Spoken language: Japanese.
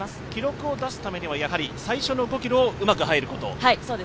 記録を出すためには最初の５ｋｍをうまく入ること。